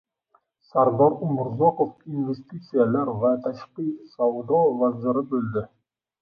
Sardor Umurzoqov Investitsiyalar va tashqi savdo vaziri bo‘ldi